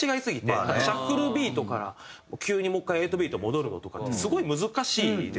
シャッフルビートから急にもう１回８ビート戻るのとかってすごい難しいですよね。